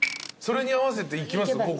それに合わせて行きます？